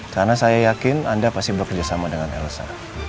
karena saya yakin anda pasti bekerja sama dengan elsa